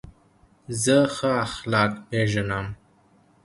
زه ښه اخلاق پېژنم.